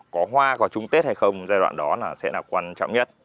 có hoa có chung tết hay không giai đoạn đó là sẽ là quan trọng nhất